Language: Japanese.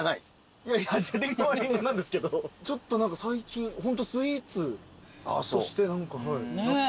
リンゴはリンゴなんですけどちょっと何か最近ホントスイーツとしてなってる。